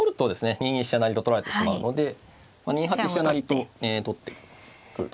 ２二飛車成と取られしまうので２八飛車成と取ってくると。